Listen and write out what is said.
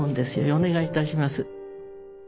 お願いいたします。